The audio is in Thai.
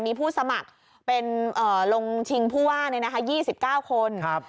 มีผู้สมัครเป็นเอ่อลงชิงผู้ว่าเนี้ยนะคะยี่สิบเก้าคนครับ